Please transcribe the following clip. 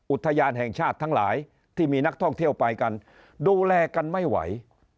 อุทยานแห่งชาติทั้งหลายที่มีนักท่องเที่ยวไปกันดูแลกันไม่ไหว